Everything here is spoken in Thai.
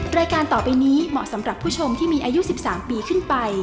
รายการต่อไปนี้เหมาะสำหรับผู้ชมที่มีอายุ๑๓ปีขึ้นไป